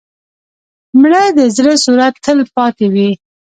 مړه د زړه سوره تل پاتې وي